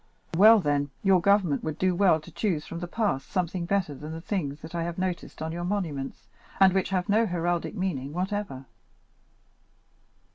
"Well, then, your government would do well to choose from the past something better than the things that I have noticed on your monuments, and which have no heraldic meaning whatever.